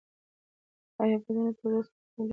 ایا بدن د تودوخې سره خولې کوي؟